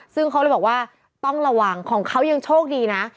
ซึ่งเขาเลยบอกว่าต้องระวังของเขายังโชคดีนะ